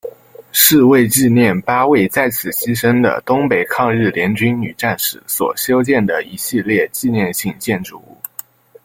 是为纪念八位在此牺牲的东北抗日联军女战士所修建的一系列纪念性建筑物。